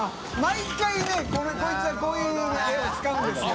こいつはこういう絵を使うんですよ。